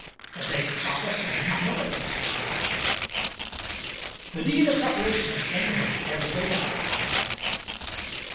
The dates are the same, and the witnesses the same." "The deed of separation is genuine. There is no doubt about that."